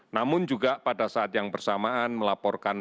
namun juga pada saat yang bersamaan melaporkan